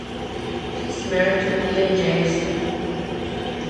She is married to Ian Jamieson.